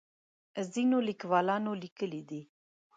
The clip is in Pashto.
ځینو لیکوالانو لیکلي دي.